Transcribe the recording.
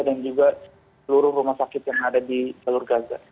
dan juga seluruh rumah sakit yang ada di jalur gaza